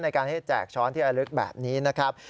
ในการที่แจกช้อนที่ระลึกแบบนี้นะครับ